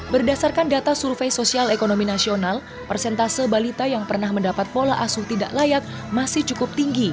berdasarkan data survei sosial ekonomi nasional persentase balita yang pernah mendapat pola asuh tidak layak masih cukup tinggi